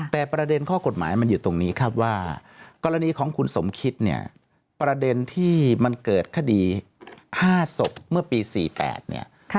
แต่ประเด็นข้อกฎหมายมันอยู่ตรงนี้ครับว่ากรณีของคุณสมคิดเนี่ยประเด็นที่มันเกิดคดี๕ศพเมื่อปี๔๘เนี่ย